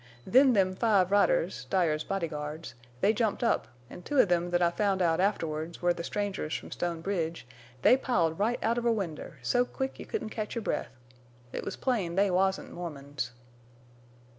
"Then them five riders, Dyer's bodyguards, they jumped up, an' two of them thet I found out afterward were the strangers from Stone Bridge, they piled right out of a winder, so quick you couldn't catch your breath. It was plain they wasn't Mormons.